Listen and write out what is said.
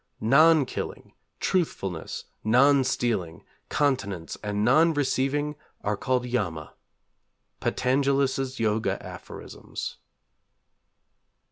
_ 'Non killing, truthfulness, non stealing, continence, and non receiving, are called Yama.' _Patanjalis' Yoga Aphorisms.